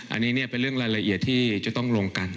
อันนี้เป็นเรื่องรายละเอียดที่จะต้องลงกัน